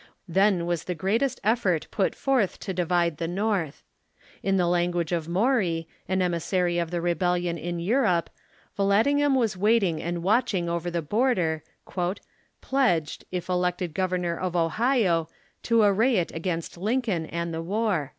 Then was the greatest effort put forth to divide the l!^orth. In the language of Maury, an emissary of the rehellion in Europe, Vallandig ham was waiting and watching over the horder, "pledged, if elected Governor of Ohio, to array it against Lincoln and the war."